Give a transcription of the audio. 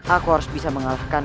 aku harus bisa mengalahkannya